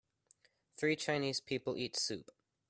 three chinese people eat soup.